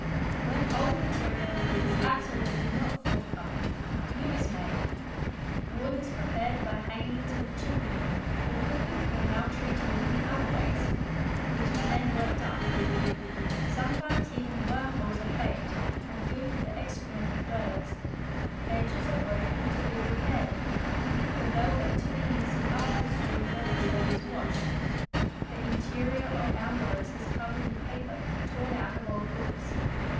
When old material is absolutely not forthcoming, new is made: wood is prepared by hanging it in the chimney or cooking or maltreating it in other ways; it is then worked up. Sometimes even worm holes _ are faked and filled with the excrement of birds. Edges are broken to be repaired. The velvet to be used in upholstering furniture is washed. The interior of almirahs is covered with paper torn out of old books.